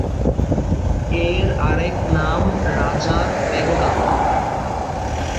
এর আরেক নাম রাজার প্যাগোডা।